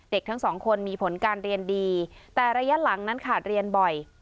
ทั้งสองคนมีผลการเรียนดีแต่ระยะหลังนั้นขาดเรียนบ่อย